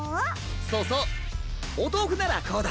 そうそう！おとうふならこうだ。